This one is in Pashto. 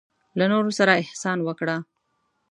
له نورو سره احسان وکړه.